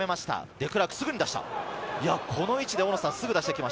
デクラーク、すぐに出した。